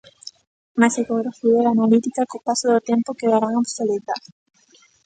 Mais a ecografía e a analítica, co paso do tempo, quedaran obsoletas.